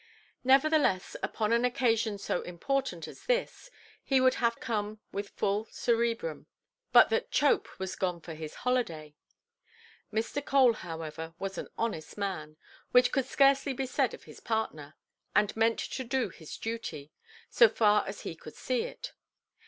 Nevertheless, upon an occasion so important as this, he would have come with full cerebrum, but that Chope was gone for his holiday. Mr. Cole, however, was an honest man—which could scarcely be said of his partner—and meant to do his duty, so far as he could see it.